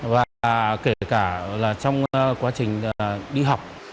và kể cả là trong quá trình đi học